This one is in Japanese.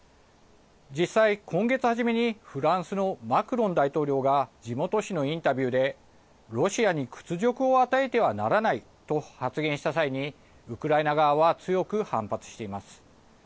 実際、今月初めにフランスのマクロン大統領が地元紙のインタビューでロシアに屈辱を与えてはならないと発言した際にウクライナ側は強く反発しています。